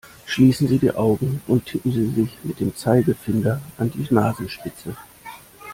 Schließen Sie die Augen und tippen Sie sich mit dem Zeigefinder an die Nasenspitze!